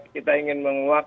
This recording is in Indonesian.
kita ingin menguat